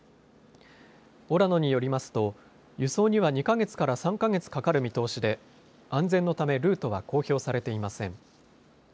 オラノによりますと輸送には２か月から３か月かかる見通しで安全のためルートは公表されていません。